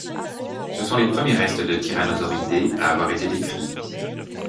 Ce sont les premiers restes de Tyrannosauridés à avoir été décrits.